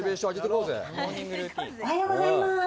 おはようございます。